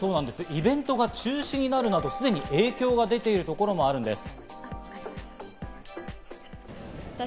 イベントが中止になるなど、すでに影響が出ているところもあります。